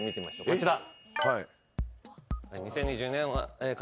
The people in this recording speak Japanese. こちら。